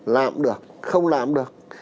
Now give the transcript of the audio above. làm được không làm được